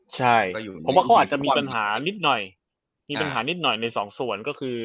ใช่ผมว่าเขาอาจจะมีปัญหานิดหน่อยมีปัญหานิดหน่อยในสองส่วนก็คือ